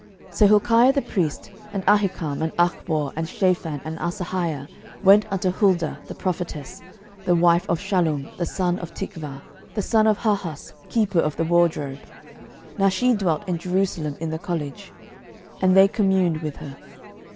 12:022:014 So Hilkiah the priest, and Ahikam, and Achbor, and Shaphan, and Asahiah, went unto Huldah the prophetess, the wife of Shallum the son of Tikvah, the son of Harhas, keeper of the wardrobe; (now she dwelt in Jerusalem in the college;) and they communed with her.